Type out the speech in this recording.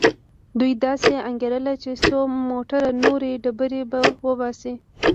دوی داسې انګېرله چې څو موټره نورې ډبرې به وباسي.